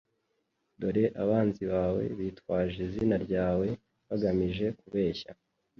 Dore abanzi bawe bitwaje izina ryawe bagamije kubeshya